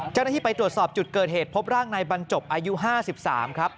เจ้าหน้าที่ไปตรวจสอบจุดเกิดเหตุพบร่างนายบรรจบอายุ๕๓ครับ